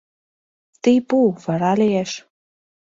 Тый пу, вара лиеш.